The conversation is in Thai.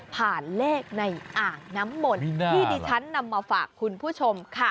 เลขในอ่างน้ำมนต์ที่ดิฉันนำมาฝากคุณผู้ชมค่ะ